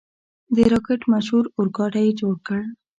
د راکټ مشهور اورګاډی یې جوړ کړ.